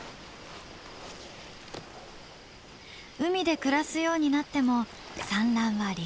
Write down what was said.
海で暮らすようになっても産卵は陸。